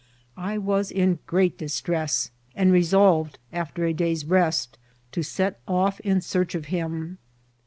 I was in great dis* tress, and resolved, after a day's rest, to set off in search of him.